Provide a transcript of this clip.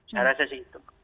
saya rasa sih itu